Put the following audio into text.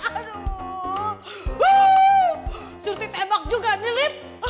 aduh suntik tembak juga nih lip